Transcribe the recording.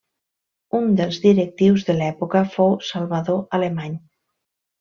Uns dels directius de l'època fou Salvador Alemany.